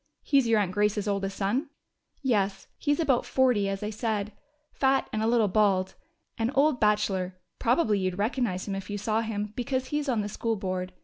"He's your aunt Grace's oldest son?" "Yes. He's about forty, as I said. Fat and a little bit bald. An old bachelor. Probably you'd recognize him if you saw him, because he's on the School Board.